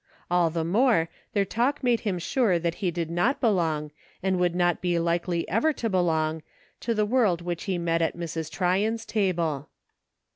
All the more, their talk made him sure that he did not belong, and would not be likely ever to belong, to the world which he met at Mrs. Tryon's table.